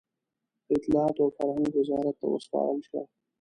د اطلاعاتو او فرهنګ وزارت ته وسپارل شوه.